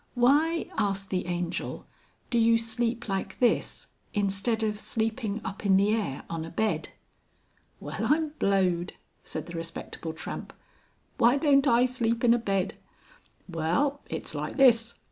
"Why," asked the Angel, "do you sleep like this instead of sleeping up in the air on a Bed?" "Well I'm blowed!" said the Respectable Tramp. "Why don't I sleep in a bed? Well, it's like this.